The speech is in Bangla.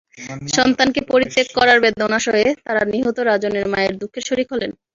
সন্তানকে পরিত্যাগ করার বেদনা সয়ে তাঁরা নিহত রাজনের মায়ের দুঃখের শরিক হলেন।